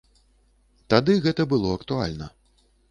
Тады гэта было актуальна.